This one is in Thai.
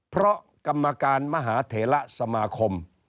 เพราะกรรมการมหาเถระสมาคม